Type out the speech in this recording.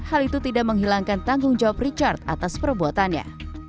hal itu tidak menghilangkan tanggung jawab richard atas perbuatannya